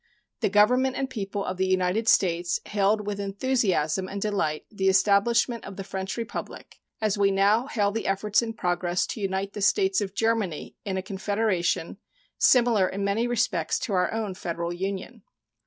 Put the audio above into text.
The Government and people of the United States hailed with enthusiasm and delight the establishment of the French Republic, as we now hail the efforts in progress to unite the States of Germany in a confederation similar in many respects to our own Federal Union.